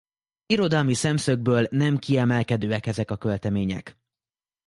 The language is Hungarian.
Irodalmi szemszögből nem kiemelkedőek ezek a költemények.